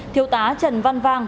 thiêu tá trần văn vang